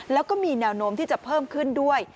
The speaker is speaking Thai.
แล้วก็มีแนวโน้มที่จะเพิ่มขึ้นด้วย